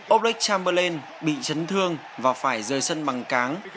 object chamberlain bị chấn thương và phải rơi sân bằng cáng